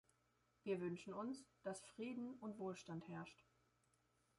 Wir wünschen uns, dass Frieden und Wohlstand herrscht.